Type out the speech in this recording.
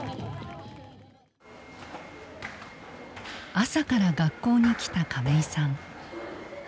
朝から学校に来た亀井さん。